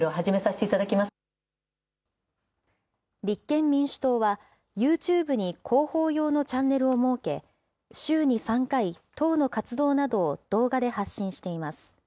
立憲民主党は、ユーチューブに広報用のチャンネルを設け、週に３回、党の活動などを動画で発信しています。